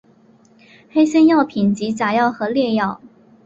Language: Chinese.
黑心药品即假药和劣药。